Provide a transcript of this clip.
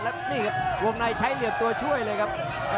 แล้วนี่ครับวงในใช้เหลี่ยมตัวช่วยเลยครับ